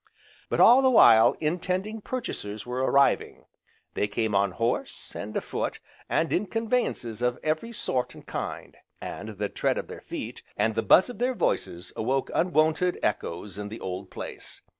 But all the while intending purchasers were arriving; they came on horse, and afoot, and in conveyances of every sort and kind, and the tread of their feet, and the buzz of their voices awoke unwonted echoes in the old place.